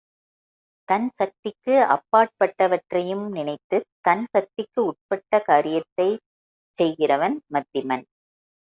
தன் சக்திக்கு அப்பாற்பட்டவற்றையும் நினைத்துத் தன் சக்திக்கு உட்பட்ட காரியத்தைச் செய்கிறவன் மத்திமன்.